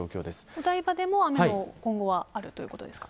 お台場でも、今後雨はあるということですか。